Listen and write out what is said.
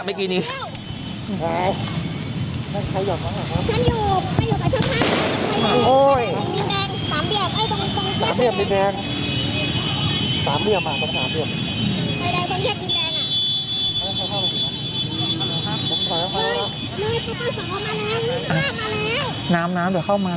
น้ำน้ำเดี๋ยวเข้ามาจากหวัดน้ำ